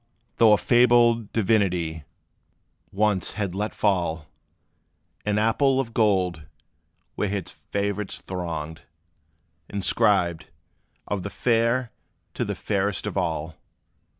Though a fabled divinity once had let fall An apple of gold, where his favorites thronged, Inscribed, "Of the fair, to the fairest of all!"